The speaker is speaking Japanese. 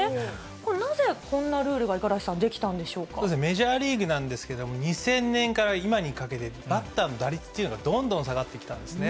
これ、なぜ、こんなルールが五十嵐さん、メジャーリーグなんですけど、２０００年から今にかけて、バッターの打率というのがどんどん下がってきたんですね。